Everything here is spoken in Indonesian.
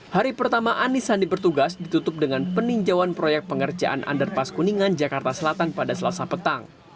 hari pertama anies sandi bertugas ditutup dengan peninjauan proyek pengerjaan underpas kuningan jakarta selatan pada selasa petang